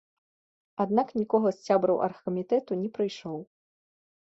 Аднак нікога з сябраў аргкамітэту не прыйшоў.